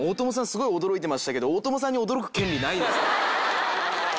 すごい驚いてましたけど大友さんに驚く権利ないです。